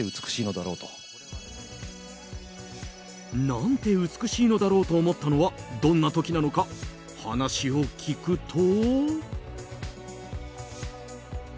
何て美しいのだろうと思ったのはどんな時なのか話を聞くと。